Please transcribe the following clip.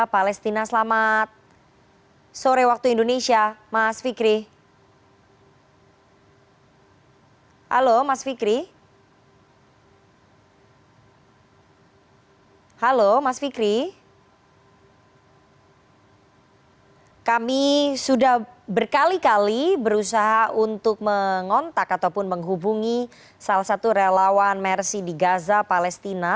pada hari ini mas fikri kami sudah berkali kali berusaha untuk mengontak ataupun menghubungi salah satu relawan mersi di gaza palestina